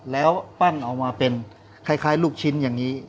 แล้วปั้นเอามาเป็นคล้ายลูกชิ้นอย่างนี้